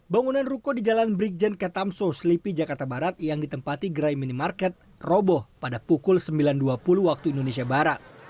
bangunan ruko di jalan brigjen ketamso selipi jakarta barat yang ditempati gerai minimarket roboh pada pukul sembilan dua puluh waktu indonesia barat